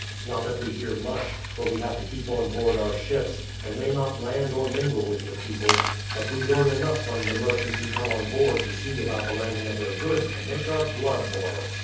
Not that we hear much, for we have to keep on board our ships, and may not land or mingle with the people; but we learn enough from the merchants who come on board to see about the landing of their goods to make our blood boil.